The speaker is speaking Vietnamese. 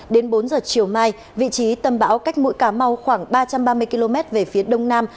đến bốn giờ chiều mai vị trí tâm bão cách mũi cà mau khoảng ba trăm ba mươi km về phía đông nam